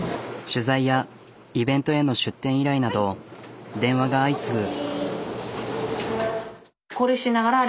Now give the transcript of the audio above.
取材やイベントへの出店依頼など電話が相次ぐ。